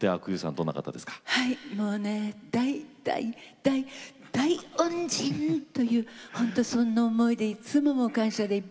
もうね大大大大恩人という本当にそんな思いでいつももう感謝でいっぱいなんです。